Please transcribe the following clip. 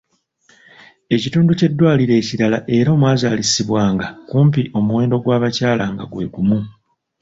Ekitundu ky’eddwaliro ekirala era omwazaalisizibwanga kumpi omuwendo gw’abakyala nga gwe gumu.